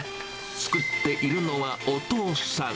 作っているのはお父さん。